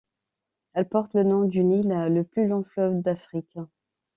Elle porte le nom du Nil, le plus long fleuve d'Afrique.